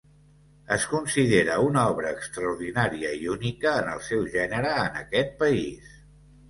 Es considera una obra extraordinària i única en el seu gènere en aquest país.